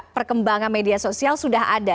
itu juga perkembangan media sosial sudah ada